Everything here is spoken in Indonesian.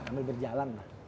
ambil berjalan lah